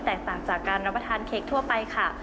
ต่างจากการรับประทานเค้กทั่วไปค่ะ